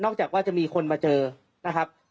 จากว่าจะมีคนมาเจอนะครับ